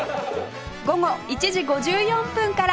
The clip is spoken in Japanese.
午後１時５４分から